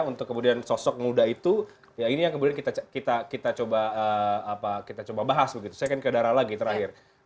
untuk kemudian sosok muda itu ya ini yang kemudian kita coba bahas begitu saya akan ke dara lagi terakhir